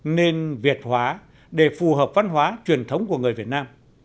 nên việt hóa để phù hợp văn hóa truyền thống của người việt nam